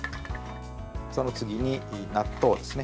その次に納豆ですね。